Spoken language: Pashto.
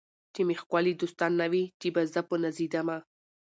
چي مي ښکلي دوستان نه وي چي به زه په نازېدمه